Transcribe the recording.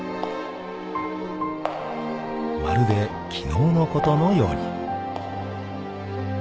［まるで昨日のことのように］